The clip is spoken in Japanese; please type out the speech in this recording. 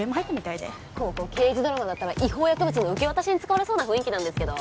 ここ刑事ドラマだったら違法薬物の受け渡しに使われそうな雰囲気なんですけど。